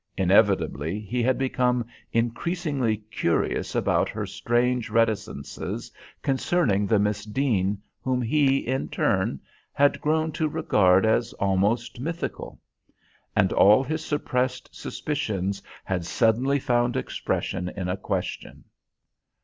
Inevitably, he had become increasingly curious about her strange reticences concerning the Miss Deane whom he, in turn, had grown to regard as almost mythical; and all his suppressed suspicions had suddenly found expression in a question.